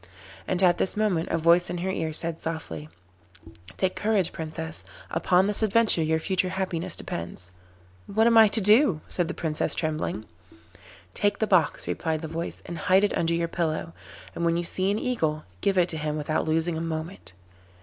And at this moment a voice in her ear said softly: 'Take courage, Princess; upon this adventure your future happiness depends.' 'What am I to do?' said the Princess trembling. 'Take the box,' replied the voice, 'and hide it under your pillow, and when you see an Eagle, give it to him without losing a moment.